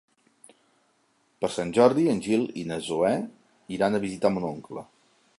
Per Sant Jordi en Gil i na Zoè iran a visitar mon oncle.